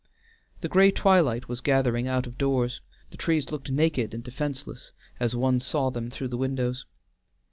The gray twilight was gathering out of doors; the trees looked naked and defenceless, as one saw them through the windows.